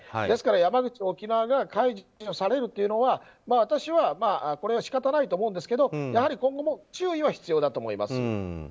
ですから、山口、沖縄が解除されるというのは私は仕方ないと思うんですけどやはり今後も注意は必要だと思います。